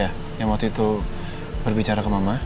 yang waktu itu berbicara ke mama